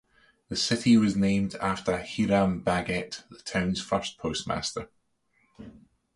The city was named after Hiram Baggett, the town's first postmaster.